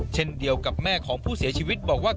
เช่นเดียวกับแม่ของผู้เสียชีวิตบอกว่า